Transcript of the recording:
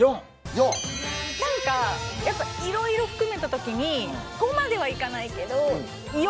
４？何かやっぱ色々含めたときに５まではいかないけど４